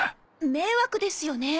迷惑ですよね。